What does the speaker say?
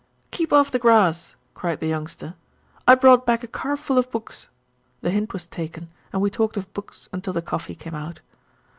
"Keep off the grass," cried the Youngster. "I brought back a car full of books." The hint was taken, and we talked of books until the coffee came out.